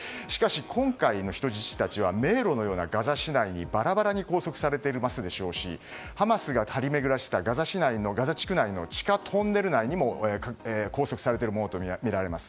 今回の人質たちは迷路のようなガザ地区にバラバラに連れていかれハマスが張り巡らせたガザ地区内の地下トンネル内にも拘束されているものとみられます。